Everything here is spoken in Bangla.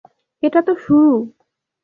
এটা তো শুরু।